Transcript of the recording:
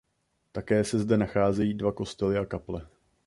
Také se zde nacházejí dva kostely a kaple.